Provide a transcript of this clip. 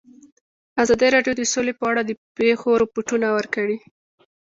ازادي راډیو د سوله په اړه د پېښو رپوټونه ورکړي.